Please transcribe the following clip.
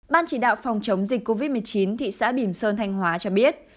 ban chỉ đạo phòng chống dịch covid một mươi chín thị xã bìm sơn thanh hóa cho biết